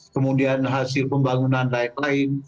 kemudian hasil pembangunan lain lain